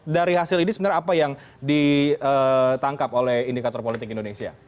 dari hasil ini sebenarnya apa yang ditangkap oleh indikator politik indonesia